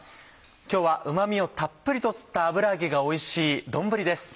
今日はうま味をたっぷりと吸った油揚げがおいしい丼です。